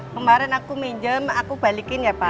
kemarin aku minjem aku balikin ya pak